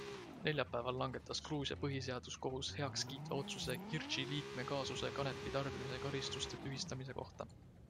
Neljapäeval langetas Gruusia põhiseaduskohus heakskiitva otsuse Girchi liikme kaasuses kanepi tarbimise karistuste tühistamise kohta.